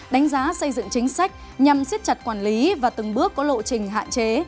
đánh giá xây dựng chính sách nhằm siết chặt quản lý và từng bước có lộ trình hạn chế